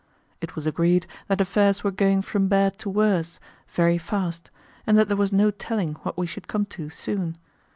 It was agreed that affairs were going from bad to worse very fast, and that there was no telling what we should come to soon.